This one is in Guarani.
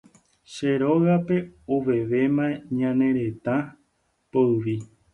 Che rógape ovevéma ñane retã poyvi